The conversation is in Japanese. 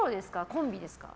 コンビですか？